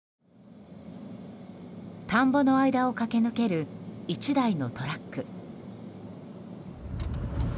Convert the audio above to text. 田んぼの間を駆け抜ける１台のトラック。